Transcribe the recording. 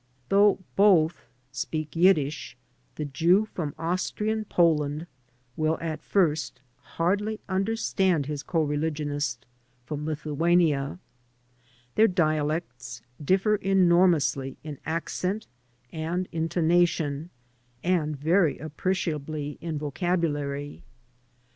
Though both speak Yiddish, the Jew from Austrian Poland will at first hardly imderstand his coreligionist from Lithuania. Their dialects differ enormously in accent and intonation and very appreciably in vocabu 7 87 AN AMERICAN IN THE MAKING lary.